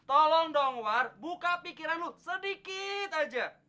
tolong dong war buka pikiran lu sedikit aja